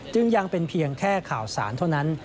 ยังเป็นเพียงแค่ข่าวสารเท่านั้น